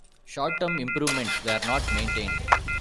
Short-term improvements were not maintained.